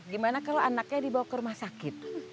gimana kalau anaknya dibawa ke rumah sakit